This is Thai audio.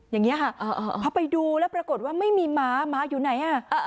อย่างนี้ค่ะพอไปดูแล้วปรากฏว่าไม่มีม้าม้าอยู่ไหน